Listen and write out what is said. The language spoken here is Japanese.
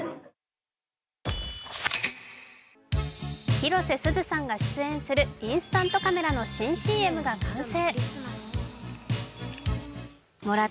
広瀬すずさんが出演するインスタントカメラの新ＣＭが完成。